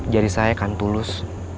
jadi saya akan tulus